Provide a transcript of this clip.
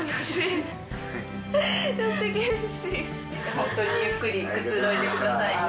ホントにゆっくりくつろいでくださいね。